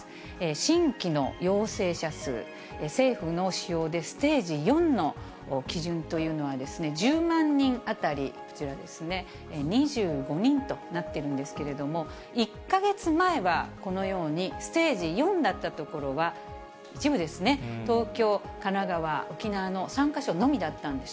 新規の陽性者数、政府の指標でステージ４の基準というのは、１０万人当たりこちらですね、２５人となっているんですけれども、１か月前はこのようにステージ４だった所は一部ですね、東京、神奈川、沖縄の３か所のみだったんです。